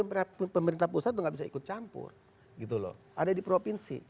di provinsi pemerintah pusat itu tidak bisa ikut campur gitu loh ada di provinsi